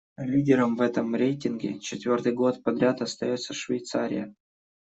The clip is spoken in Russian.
Лидером в этом рейтинге четвёртый год подряд остаётся Швейцария.